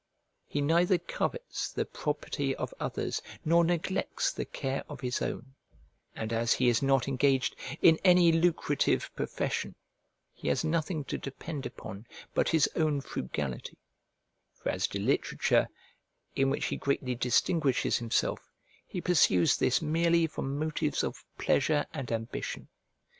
He neither covets the property of others nor neglects the care of his own; and as he is not engaged in any lucrative profession, he has nothing to depend upon but his own frugality: for as to literature, in which he greatly distinguishes himself, he pursues this merely from motives of pleasure and ambition.